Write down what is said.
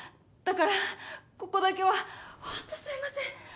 だからここだけはホントすみません！